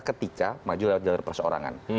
ketika maju lewat jalur perseorangan